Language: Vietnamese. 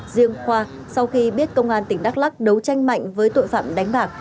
riêng khoa sau khi biết công an tỉnh đắk lắc đấu tranh mạnh với tội phạm đánh bạc